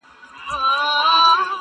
پرېږده چي موږ په دې تیارو کي رڼا ولټوو.!